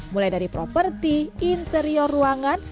mulai dari properti interior ruangan